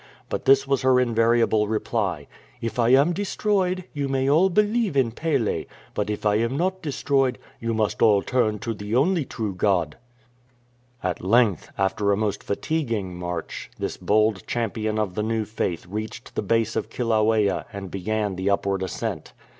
But this was her invariable reply :" If I am destroyed, you may all believe in Pele ; but if I am not destroyed, you must all turn to the only true God;' At length, after a most fatiguing march, this bold champion of the new faith reached the base of Kilauea and began the upward ascent.